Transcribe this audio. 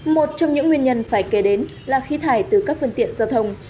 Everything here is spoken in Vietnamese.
một trong những nguyên nhân phải kể đến là khí thải từ các phương tiện giao thông